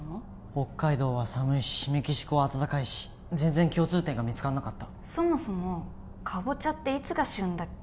北海道は寒いしメキシコは暖かいし全然共通点が見つかんなかったそもそもかぼちゃっていつが旬だっけ？